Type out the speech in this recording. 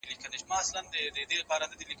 اقتصادي فعالیتونه باید شفاف وي.